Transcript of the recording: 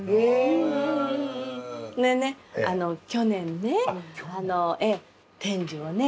去年ね天寿をね